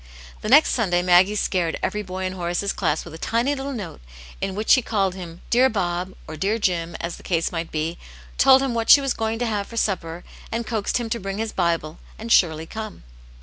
• The next Sunday Maggie scared every boy in Horace^s class with a tiny little note in which she called him Dear Bob,*' or " Dear Jim," as the case might be, told him what she was going to have for supper, and coaxed him to bring his Bible, and surely come.